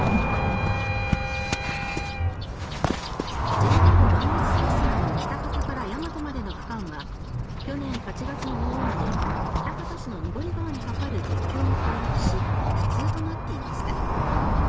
ＪＲ磐越西線の喜多方から山都までの区間は去年８月の大雨で喜多方市の濁川に架かる鉄橋が崩落し不通となっていました。